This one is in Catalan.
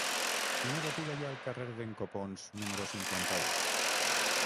Quina botiga hi ha al carrer d'en Copons número cinquanta-u?